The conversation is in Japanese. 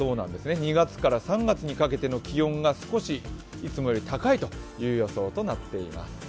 ２月から３月にかけての気温がいつもより高いという予想になっています。